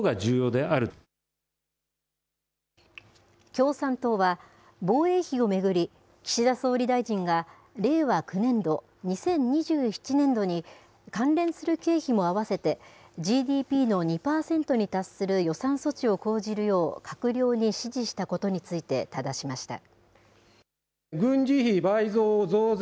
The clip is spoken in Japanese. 共産党は、防衛費を巡り、岸田総理大臣が令和９年度・２０２７年度に、関連する経費も合わせてＧＤＰの２％に達する予算措置を講じるよう、閣僚に指示したことについてただしました。